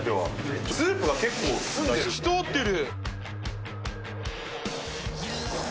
スープが結構透き通ってる。